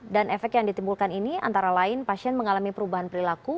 dan efek yang ditimbulkan ini antara lain pasien mengalami perubahan perilaku